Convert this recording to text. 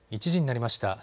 １時になりました。